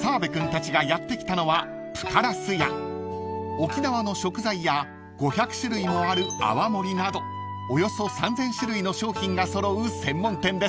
［沖縄の食材や５００種類もある泡盛などおよそ３，０００種類の商品が揃う専門店です］